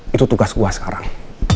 itu tugas gue sekarang